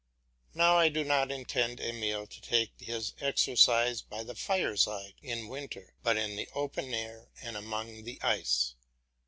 Now I do not intend Emile to take his exercise by the fireside in winter, but in the open air and among the ice.